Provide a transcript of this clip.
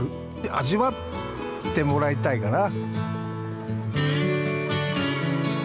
味わってもらいたいかな。